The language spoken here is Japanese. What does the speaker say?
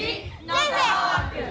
先生！